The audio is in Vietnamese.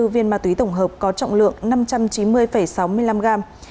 sáu ba trăm ba mươi bốn viên ma túy tổng hợp có trọng lượng năm trăm chín mươi sáu mươi năm gram